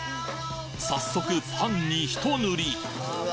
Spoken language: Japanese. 早速パンにひと塗り！